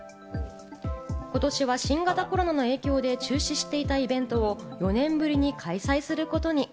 今年は新型コロナの影響で中止していたイベントを４年ぶりに開催することに。